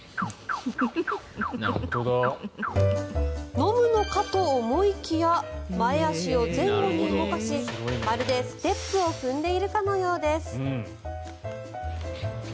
飲むのかと思いきや前足を前後に動かしまるでステップを踏んでいるかのようです。